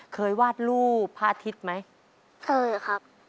เคยวาดรูปพระอาทิตย์ไหมเคยครับ